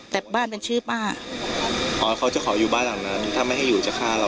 แต่บ้านเป็นชื่อป้าอ๋อเขาจะขออยู่บ้านหลังนั้นถ้าไม่ให้อยู่จะฆ่าเรา